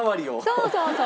そうそうそう。